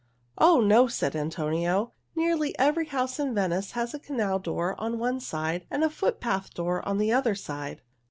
"Oh, no!" said Antonio. "Nearly every house in Venice has a canal door on one side and a footpath door on the other side."